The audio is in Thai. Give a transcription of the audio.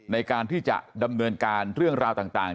ในการที่จะดำเนินการเรื่องราวต่าง